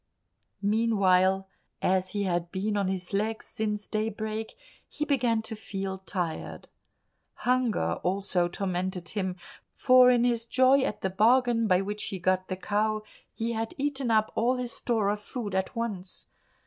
Meanwhile, as he had been on his legs since daybreak, he began to feel tired. Hunger also tormented him, for in his joy at the bargain by which he got the cow he had eaten up all his store of food at once.